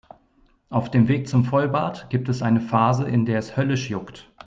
Auf dem Weg zum Vollbart gibt es eine Phase, in der es höllisch juckt.